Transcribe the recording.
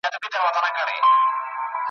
ستړي منډي به مي ستا درشل ته راوړې ,